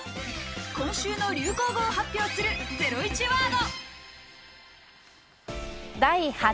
今週の流行語を発表するゼロイチワード。